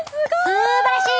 すばらしい！